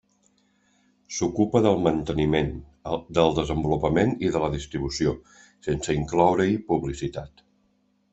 S'ocupa del manteniment, del desenvolupament i de la distribució, sense incloure-hi publicitat.